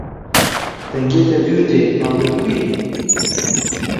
Dengê te dûr tê, ma tu li ku yî?